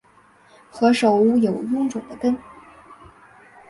何首乌有臃肿的根